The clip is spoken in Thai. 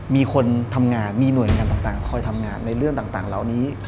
มีคนทำงานมีหน่วยงานต่างคอยทำงานในเรื่องต่างเหล่านี้